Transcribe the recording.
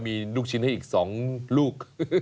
มีลูกชิ้นให้อีก๒ลูก